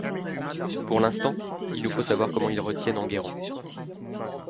Pour l’instant, il nous faut savoir comment ils retiennent Enguerrand.